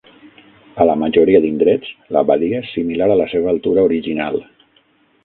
A la majoria d'indrets, l'abadia és similar a la seva altura original.